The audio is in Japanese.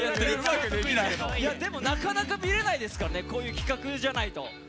でも、なかなか見れないですからねこういう企画じゃないと。